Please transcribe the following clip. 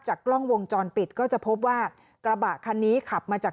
กล้องวงจรปิดก็จะพบว่ากระบะคันนี้ขับมาจาก